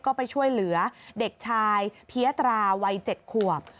ก็ไปช่วยเหลือเด็กชายเพี้ยตราวัย๗ขวบ